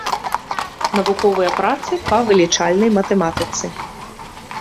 Навуковыя працы па вылічальнай матэматыцы.